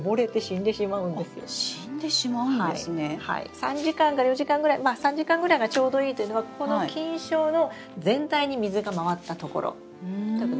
３時間から４時間ぐらいまあ３時間ぐらいがちょうどいいというのはこの菌床の全体に水が回ったところということですね。